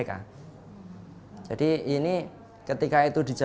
sampai penginssa atmosphere